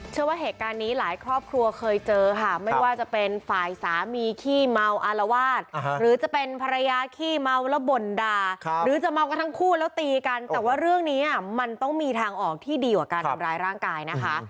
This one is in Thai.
เชื่อว่าเหตุการณ์นี้หลายครอบครัวเคยเจอค่ะไม่ว่าจะเป็นฝ่ายสามีขี้เมาอารวาสหรือจะเป็นภรรยาขี้เมาแล้วบ่นด่าหรือจะเมากันทั้งคู่แล้วตีกันแต่ว่าเรื่องนี้มันต้องมีทางออกที่ดีกว่าการทำร้ายร่างกายนะคะ